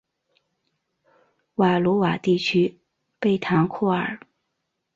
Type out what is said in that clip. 瓦卢瓦地区贝唐库尔。